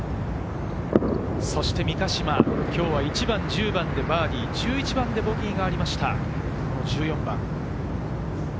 そして三ヶ島、今日は１番、１０番でバーディー、１１番でボギーがありました。